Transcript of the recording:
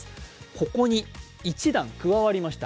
ここに１段加わりました。